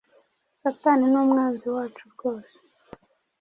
Satani ni umwanzi wacu rwose.